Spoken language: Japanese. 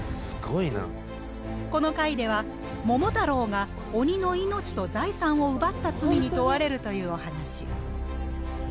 この回では桃太郎が鬼の命と財産を奪った罪に問われるというお話。